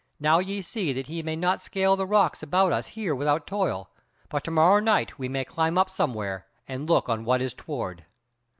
Now ye see that he may not scale the rocks about us here without toil; but to morrow night we may climb up somewhere and look on what is toward."